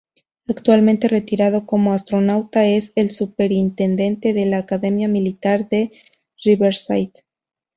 Actualmente, retirado como astronauta es el superintendente de la Academia Militar de Riverside.